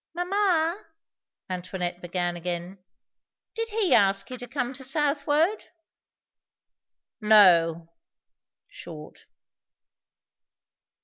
"Mamma," Antoinette began again, "did he ask you to come to Southwode?" "No." Short.